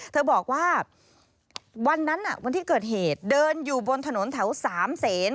เธอบอกว่าวันนั้นวันที่เกิดเหตุเดินอยู่บนถนนแถวสามเศษ